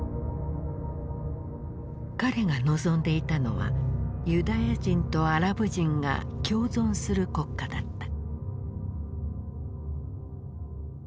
彼が望んでいたのはユダヤ人とアラブ人が共存する国家だった。